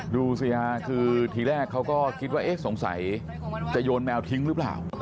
ดูสิค่ะคือทีแรกเขาก็คิดว่าเอ๊ะสงสัยจะโยนแมวทิ้งหรือเปล่า